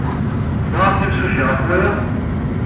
Teẓramt imsujji ɣef waya?